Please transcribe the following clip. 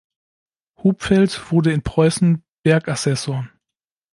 Hupfeld wurde in Preußen Bergassessor.